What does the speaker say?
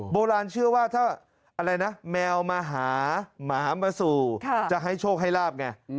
โบราณเชื่อว่าถ้าอะไรนะแมวมาหาหมามาสู่จะให้โชคให้ลาบไง